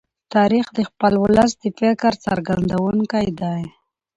تاریخ د خپل ولس د فکر څرګندونکی دی.